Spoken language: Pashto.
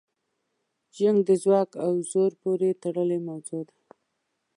جنګ د ځواک او زوره پورې تړلې موضوع ده.